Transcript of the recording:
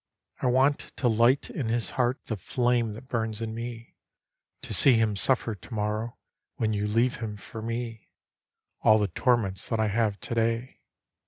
I want to light in his heart the flame that burns in me. To see him suffer to morrow, when you leave him for me, All the torments that I have to day.